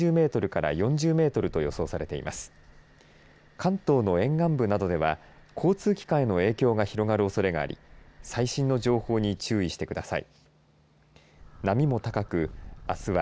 関東の沿岸部などでは交通機関への影響が広がるおそれがあり最新の情報に注意してください。